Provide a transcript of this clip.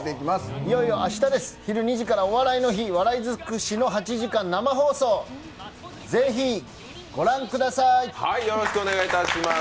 いよいよ明日です、昼２時から「お笑いの日」笑いづくしの８時間生放送ぜひ御覧ください。